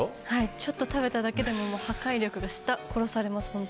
ちょっと食べただけでも舌、殺されます。